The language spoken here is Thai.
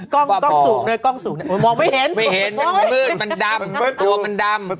กล้องสูงด้วยกล้องสูงมันมองไม่เห็นไม่เห็นมันมืดมันดำ